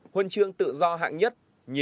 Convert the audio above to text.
huân trường tự do hạng nhất hai